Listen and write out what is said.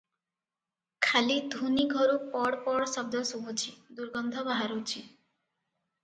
ଖାଲି ଧୂନି ଘରୁ ପଡ୍ ପଡ୍ ଶବ୍ଦ ଶୁଭୁଛି, ଦୁର୍ଗନ୍ଧ ବାହାରୁଛି ।